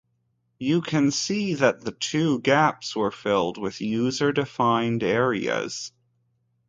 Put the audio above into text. You can see that the two gaps were filled in with user-defined areas.